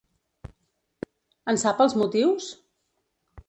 En sap els motius?